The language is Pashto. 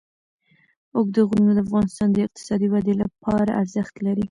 اوږده غرونه د افغانستان د اقتصادي ودې لپاره ارزښت لري.